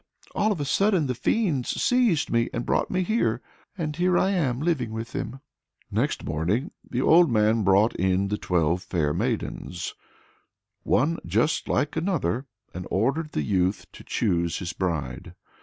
All of a sudden the fiends seized me and brought me here; and here I am living with them!" Next morning the old man brought in the twelve fair maidens one just like another and ordered the youth to choose his bride.